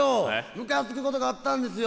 むかつくことがあったんですよ。